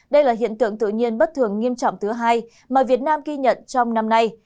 đây là hiện tượng tự nhiên bất thường nghiêm trọng thứ hai mà việt nam ghi nhận trong năm nay